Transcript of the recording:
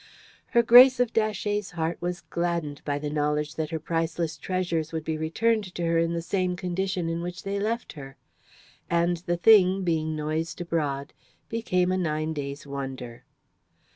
Her Grace of Datchet's heart was gladdened by the knowledge that her priceless treasures would be returned to her in the same condition in which they left her. And the thing, being noised abroad, became a nine days' wonder.